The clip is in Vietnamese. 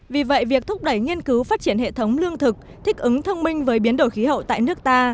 vì vậy việc thúc đẩy nghiên cứu phát triển hệ thống lương thực thích ứng thông minh với biến đổi khí hậu tại nước ta